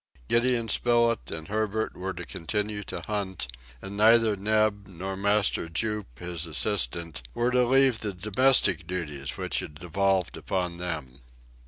Gideon Spilett and Herbert were to continue to hunt, and neither Neb nor Master Jup, his assistant, were to leave the domestic duties which had devolved upon them.